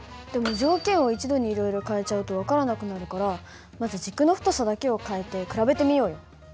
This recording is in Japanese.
でも条件を一度にいろいろ変えちゃうと分からなくなるからまず軸の太さだけを変えて比べてみようよ。